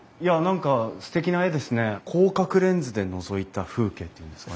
広角レンズでのぞいた風景っていうんですか。